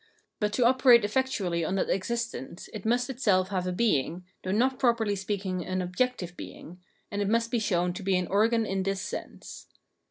But to operate effectually on that existence it must itself have a being, though not properly speaking an objective being, and it must be shown to be an organ in this sense.